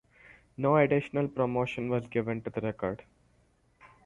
No additional promotion was given to the record.